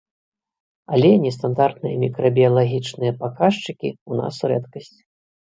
Але нестандартныя мікрабіялагічныя паказчыкі ў нас рэдкасць.